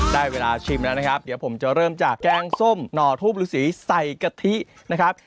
ได้เวลาชิมแล้วนะครับเดี๋ยวผมจะเริ่มจากแกงส้มหน่อทูปฤษีใส่กะทินะครับ